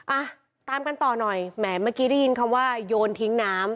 อ่ะตามกันต่อหน่อยแหมเมื่อกี้ได้ยินคำว่าโยนทิ้งน้ำ